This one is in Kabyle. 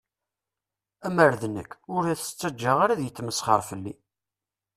Amer d nekk, ur as-ttaǧǧaɣ ara ad yesmesxer fell-i.